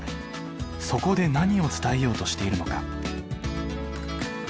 そこで何を伝えようとしているのか。